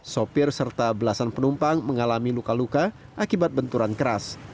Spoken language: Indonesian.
sopir serta belasan penumpang mengalami luka luka akibat benturan keras